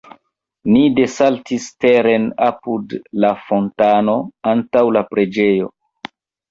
Ni desaltis teren apud la fontano, antaŭ la preĝejo.